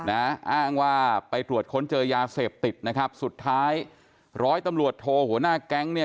อ้างว่าไปตรวจค้นเจอยาเสพติดนะครับสุดท้ายร้อยตำรวจโทหัวหน้าแก๊งเนี่ย